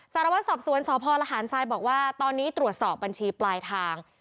สารวัตรสอบสวนสพลหารทรายบอกว่าตอนนี้ตรวจสอบบัญชีปลายทาง